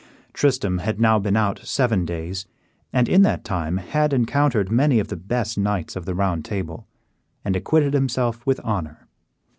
Tristram had now been out seven days, and in that time had encountered many of the best knights of the Round Table, and acquitted himself with honor.